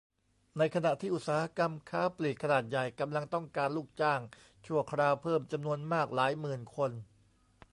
ในขณะที่อุตสาหกรรมค้าปลีกขนาดใหญ่ กำลังต้องการลูกจ้างชั่วคราวเพิ่มจำนวนมากหลายหมื่นคน